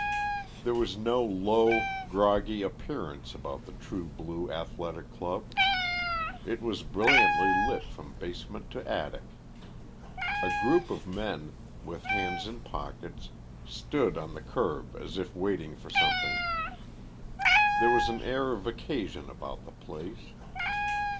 There was no low, groggy appearance about the True Blue Athletic Club. It was brilliantly lit from basement to attic. A group of men, with hands in pockets, stood on the kerb as if waiting for something. There was an air of occasion about the place.